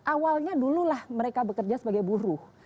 awalnya dulu lah mereka bekerja sebagai buruh